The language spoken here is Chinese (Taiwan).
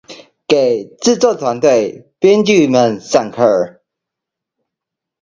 給製作團隊編劇們上課